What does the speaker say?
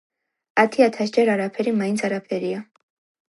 „ათი-ათასჯერ არაფერი მაინც არაფერია.“